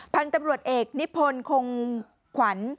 พันธุ์ตำรวจเอกนิพนธ์คงขวัญ